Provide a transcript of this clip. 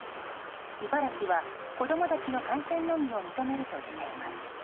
茨城は子供たちの観戦のみを認めるとしています。